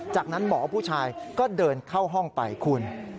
จากนั้นหมอผู้ชายก็เดินเข้าห้องไปคุณ